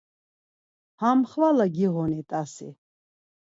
Ham xvala giğuni tasi?